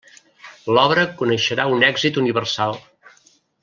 L'obra coneixerà un èxit universal.